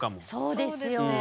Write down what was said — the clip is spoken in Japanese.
そうですね。